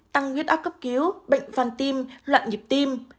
tăng huyết áp cấp cứu bệnh vàn tim loạn nhịp tim